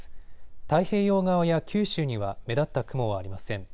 太平洋側や九州には目立った雲はありません。